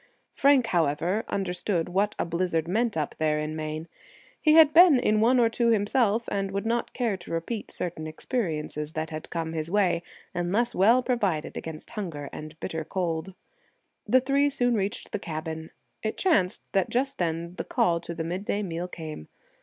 Frank, however, understood what a blizzard meant up there in Maine. He had been in one or two himself, and would not care to repeat certain experiences that had come his way, unless well provided against hunger and bitter cold. The three soon reached the cabin. It chanced that just then the call to the midday meal came.